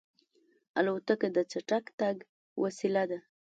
الوتکه د چټک تګ وسیله ده.